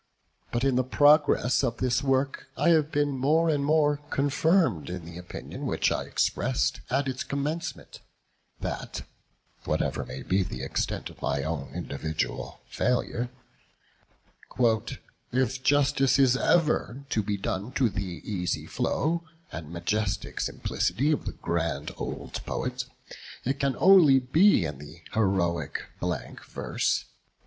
But in the progress of this work, I have been more and more confirmed in the opinion which I expressed at its commencement, that (whatever may be the extent of my own individual failure) "if justice is ever to be done to the easy flow and majestic simplicity of the grand old Poet, it can only be in the Heroic blank verse."